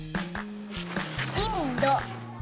インド。